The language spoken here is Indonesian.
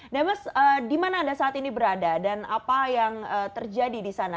demes di mana anda saat ini berada dan apa yang terjadi di sana